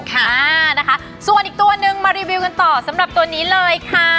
ค่ะนะคะส่วนอีกตัวนึงมารีวิวกันต่อสำหรับตัวนี้เลยค่ะ